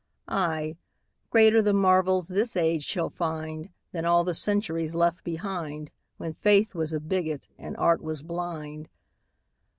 Ay, greater the marvels this age shall find Than all the centuries left behind, When faith was a bigot and art was blind.